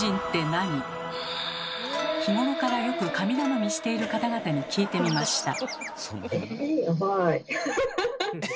日頃からよく神頼みしている方々に聞いてみました。